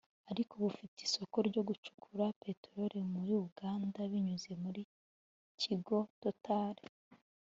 ariko bufite isoko ryo gucukura peteroli muri Uganda binyuze mu kigo Total